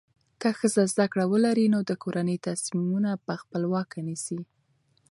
که ښځه زده کړه ولري، نو د کورنۍ تصمیمونه په خپلواکه نیسي.